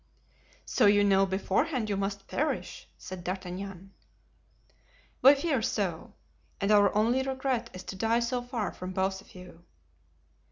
"So you know beforehand you must perish!" said D'Artagnan. "We fear so, and our only regret is to die so far from both of you."